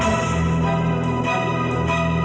yang sepupu banget